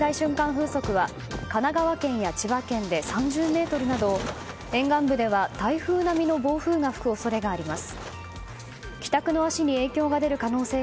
風速は神奈川県や千葉県で３０メートルなど沿岸部では台風並みの暴風が吹く恐れがあります。